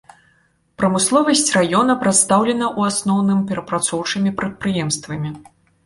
Прамысловасць раёна прадстаўлена ў асноўным перапрацоўчымі прадпрыемствамі.